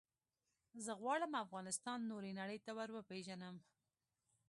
زه غواړم افغانستان نورې نړی ته وروپېژنم.